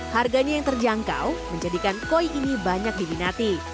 harganya yang terjangkau menjadikan koi ini banyak diminati